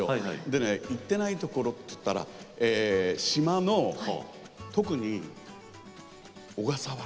でね行ってないところっていったら島の特に小笠原。